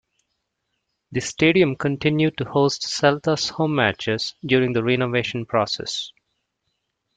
The stadium continued to host Celta's home matches during the renovation process.